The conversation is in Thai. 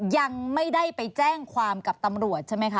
ยังไม่ได้ไปแจ้งความกับตำรวจใช่ไหมคะ